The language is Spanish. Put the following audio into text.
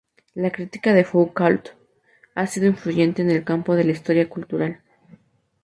La crítica de Foucault ha sido influyente en el campo de la historia cultural.